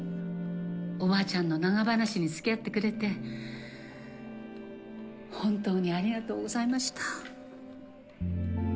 おばあちゃんの長話に付き合ってくれて本当にありがとうございました。